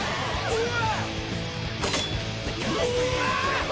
うわ！